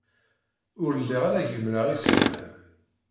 Ur lliɣ ara gemmreɣ iselman.